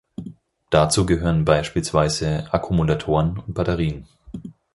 Dazu gehören beispielsweise Akkumulatoren und Batterien.